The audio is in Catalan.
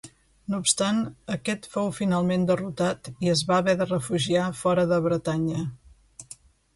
No obstant aquest fou finalment derrotat i es va haver de refugiar fora de Bretanya.